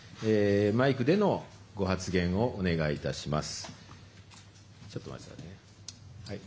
マイクでのご発言をお願いします。